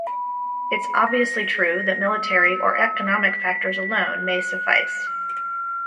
It's obviously true that military or economic factors alone may suffice.